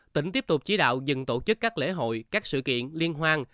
tỉnh tiếp tục chỉ đạo dừng tổ chức các lễ hội các sự kiện liên hoan